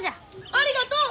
ありがとう！